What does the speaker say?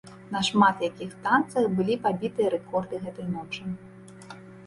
На шмат якіх станцыях былі пабітыя рэкорды гэтай ночы.